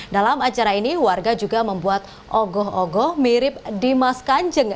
dalam acara ini warga juga membuat ogoh ogoh mirip dimas kanjeng